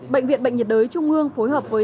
bệnh viện bệnh nhiệt đới trung ương phối hợp với